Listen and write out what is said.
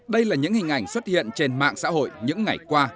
đây là những hình ảnh xuất hiện trên mạng xã hội những ngày qua